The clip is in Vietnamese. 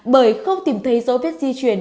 bởi không tìm thấy dấu viết di truyền